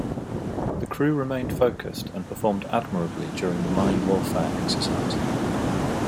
The crew remained focussed and performed admirably during the Mine Warfare Exercise.